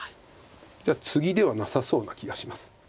じゃあツギではなさそうな気がします。